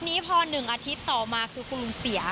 ทีนี้พอ๑อาทิตย์ต่อมาคือคุณลุงเสีย